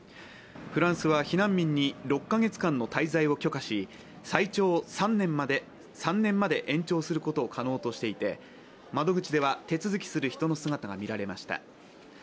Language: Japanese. フランスは避難民に６カ月間の滞在を許可し、最長３年まで延長することを可能としていて窓口では手続きする人の姿が見られました。